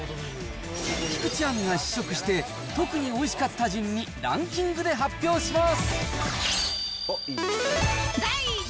菊地亜美が試食して、特においしかった順にランキングで発表します。